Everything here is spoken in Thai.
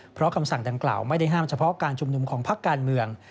เพราะคำสั่งดังกล่าวไม่ได้ห้ามเฉพาะการชุมนุมของพักการเมือง